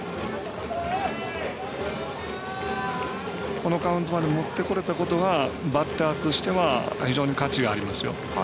このカウントまで持ってこれたことがバッターとしては非常に価値がありますよ。